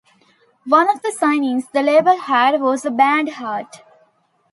One of the signings the label had was the band Heart.